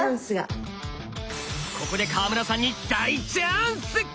ここで川村さんに大チャンス！